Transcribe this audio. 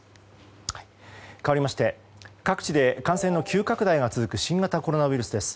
かわりまして各地で感染の急拡大が続く新型コロナウイルスです。